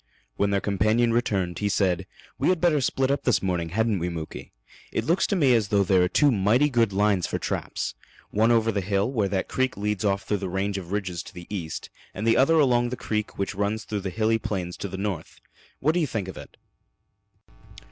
When their companion returned, he said: "We had better split up this morning, hadn't we, Muky? It looks to me as though there are two mighty good lines for traps one over the hill, where that creek leads off through the range of ridges to the east, and the other along the creek which runs through the hilly plains to the north. What do you think of it?"